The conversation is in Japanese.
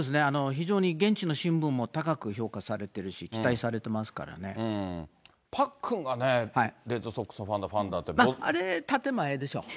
非常に現地の新聞も高く評価されてるし、パックンがね、レッドソックスのファンだ、あれ、建て前でしょ。